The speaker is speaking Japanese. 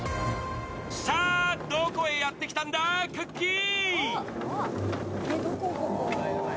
さぁ、どこへやってきたんだ、くっきー！